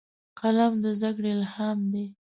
قلم د زدهکړې الهام دی